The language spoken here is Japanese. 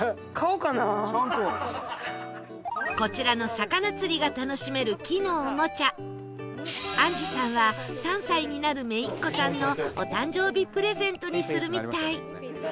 こちらの魚釣りが楽しめる木のおもちゃ杏樹さんは３歳になる姪っ子さんのお誕生日プレゼントにするみたい